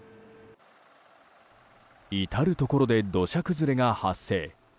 至るところで土砂崩れが発生。